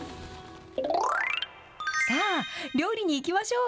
さあ、料理にいきましょう。